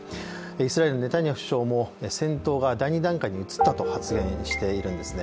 イスラエルのネタニヤフ首相も戦闘が第２段階に移ったと発言しているんですね。